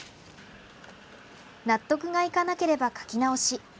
納得がいかなければ描き直し。